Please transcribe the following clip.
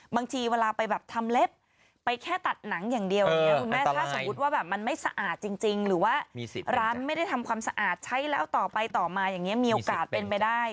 บางทีเวลาไปแบบทำเล็บไปแค่ตัดหนังอย่างเดียวอย่างนี้คุณแม่ถ้าสมมุติว่าแบบมันไม่สะอาดจริงหรือว่าร้านไม่ได้ทำความสะอาดใช้แล้วต่อไปต่อมาอย่างนี้มีโอกาสเป็นไปได้